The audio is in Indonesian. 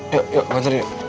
yuk yuk ganteng yuk